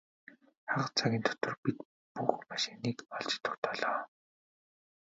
Хагас цагийн дотор бид бүх машиныг олж тогтоолоо.